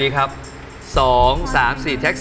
อียมขอบคุณครับ